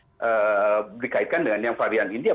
ini tidak dikaitkan dengan yang varian india